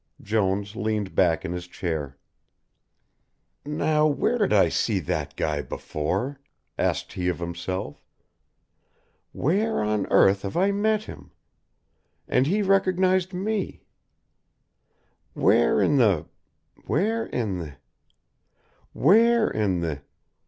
Jones leaned back in his chair. "Now, where did I see that guy before?" asked he of himself. "Where on earth have I met him? and he recognised me where in the where in the where in the